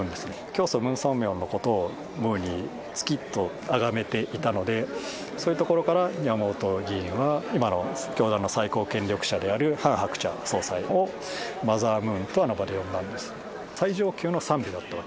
教祖、ムン・ソンミョンのことをムーニー、月とあがめていたので、そういうところから山本議員は、今の教団の最高権力者であるハン・ハクチャ総裁を、マザームーンとあの場で呼んだんです。